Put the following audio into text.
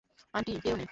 Aunty, কে উনি?